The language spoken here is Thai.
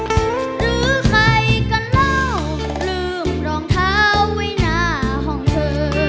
หรือใครก็เล่าลืมรองเท้าไว้หน้าห้องเธอ